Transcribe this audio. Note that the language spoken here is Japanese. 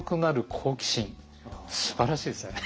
好奇心すばらしいですね。